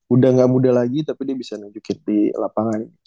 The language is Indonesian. udah gak muda lagi tapi dia bisa nunjukin di lapangan